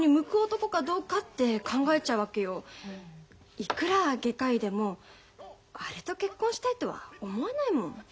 いくら外科医でもあれと結婚したいとは思えないもん。